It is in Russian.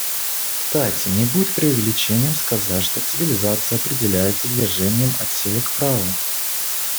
Кстати, не будет преувеличением сказать, что цивилизация определяется движением от силы к праву.